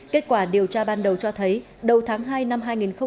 kết quả điều tra ban đầu cho thấy đầu tháng hai năm hai nghìn hai mươi